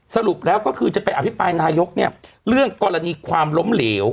สรุปแล้วก็คือจะไปอภิปรายนายกเนี่ยเรื่องกรณีความล้มเหลว